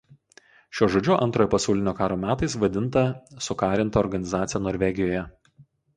Šiuo žodžiu Antrojo pasaulinio karo metais vadinta sukarinta organizacija Norvegijoje.